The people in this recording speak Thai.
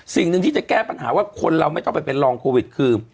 สิ่งหนึ่งที่จะแก้ปัญหาว่าคนเราไม่ต้องไปเป็นรองโควิดคือ